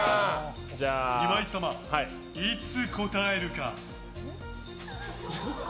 岩井様、いつ答えるか？